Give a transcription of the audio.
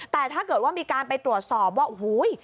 แต่ถ้าเกิดว่ามีการไปตรวจสอบว่าโอ้โห